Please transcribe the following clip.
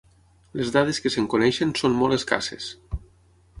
Les dades que se'n coneixen són molt escasses.